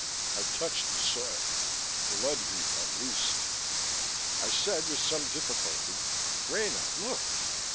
I touched the soil. Blood heat, at least. I said, with some difficulty, "Rena, look!"